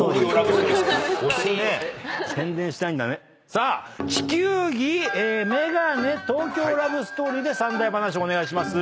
さあ地球儀メガネ『東京ラブストーリー』で三題噺をお願いします。